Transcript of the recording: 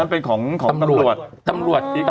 เป็นของทำรวจ